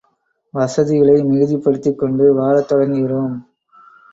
வசதிகளை மிகுதிப்படுத்திக் கொண்டு வாழத் தொடங்குகிறோம்.